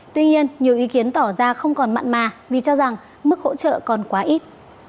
tuy nhiên nhiều ý kiến tỏ ra không còn mặn mà vì cho rằng mức hỗ trợ còn quá ít